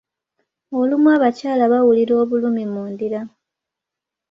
Olumu abakyala bawulira obulumi mu ndira.